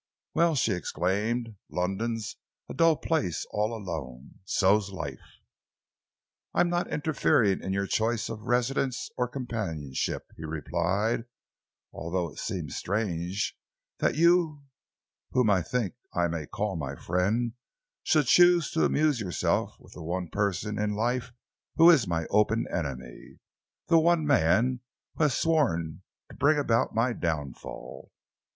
"Well," she exclaimed, "London's a dull place all alone. So's life." "I am not interfering in your choice of residence or companionship," he replied, "although it seems strange that you, whom I think I may call my friend, should choose to amuse yourself with the one person in life who is my open enemy, the one man who has sworn to bring about my downfall."